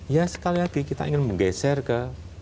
ya sekali lagi kita ingin menggeser ke